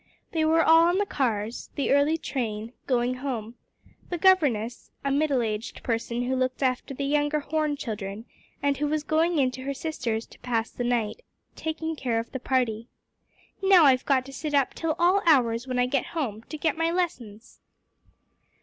They were all on the cars the early train going home; the governess, a middle aged person who looked after the younger Horne children and who was going in to her sister's to pass the night, taking care of the party. "Now I've got to sit up till all hours when I get home, to get my lessons."